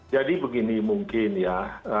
jadi begini mungkin ya